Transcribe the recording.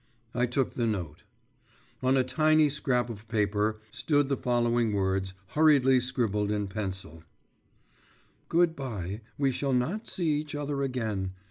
I took the note. On a tiny scrap of paper stood the following words, hurriedly scribbled in pencil: 'Good bye, we shall not see each other again.